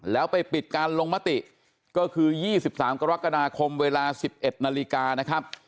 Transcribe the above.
แล้วไปปิดการลงมติก็คือ๒๓กรกฎาคมเวลา๑๑นาฬิกานะครับ